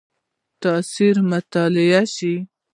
تاثیر مطالعه شي.